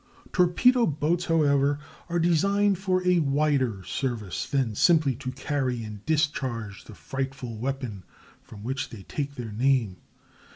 Torpedo boats, however, are designed for a wider service than simply to carry and discharge the frightful weapon from which they take their name.